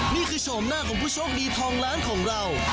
นี่คือชอบหน้าของผู้โชคดีทองร้านของเรา